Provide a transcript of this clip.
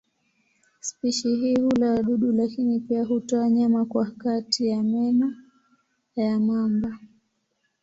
Spishi hii hula wadudu lakini pia hutoa nyama kwa kati ya meno ya mamba.